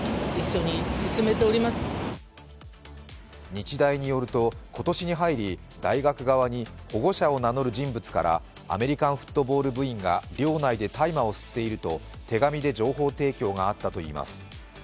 日大によると、今年に入り大学側に保護者を名乗る人物からアメリカンフットボール部員が寮内で大麻を吸っていると手紙で情報提供があったといいます。